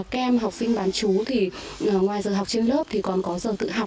kem học sinh bán chú ngoài giờ học trên lớp còn có giờ tự học